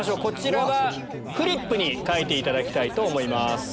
こちらはフリップに書いていただきたいと思います。